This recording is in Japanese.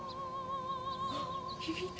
響いた！